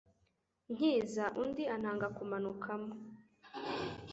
nkiza, undi antanga kumanukamo"